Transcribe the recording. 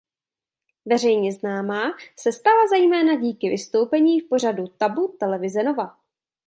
Veřejně známá se stala zejména díky vystoupení v pořadu Tabu televize Nova.